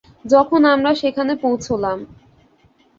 যখন আমরা সেখানে পৌঁছলাম।